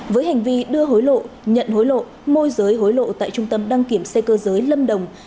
với hành vi đưa hối lộ nhận hối lộ môi giới hối lộ tại trung tâm đăng kiểm xe cơ giới lâm đồng